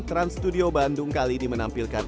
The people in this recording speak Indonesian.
trans studio bandung kali ini menampilkan